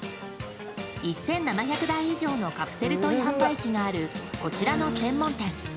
１７００台以上のカプセルトイ販売機があるこちらの専門店。